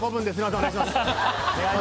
お願いします。